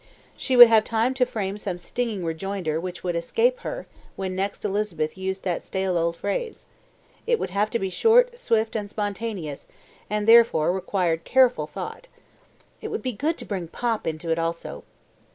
She would have to frame some stinging rejoinder which would "escape her" when next Elizabeth used that stale old phrase: it would have to be short, swift and spontaneous, and therefore required careful thought. It would be good to bring "pop" into it also.